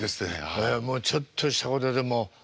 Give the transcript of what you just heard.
もうちょっとしたことでも。